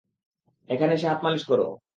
এখানে এসে হাত মালিশ কর।